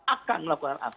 akan melakukan aksi